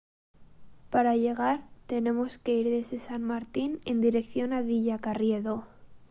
Para llegar, tenemos que ir desde San Martín en dirección a Villacarriedo.